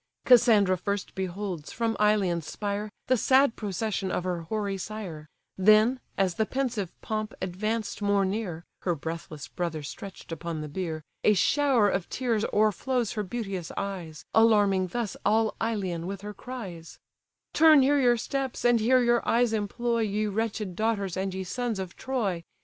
Cassandra first beholds, from Ilion's spire, The sad procession of her hoary sire; Then, as the pensive pomp advanced more near, (Her breathless brother stretched upon the bier,) A shower of tears o'erflows her beauteous eyes, Alarming thus all Ilion with her cries: "Turn here your steps, and here your eyes employ, Ye wretched daughters, and ye sons of Troy!